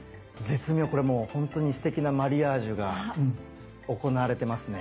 これもう本当にすてきなマリアージュが行われてますね。